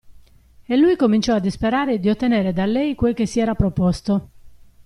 E lui cominciò a disperare di ottenere da lei quel che si era proposto.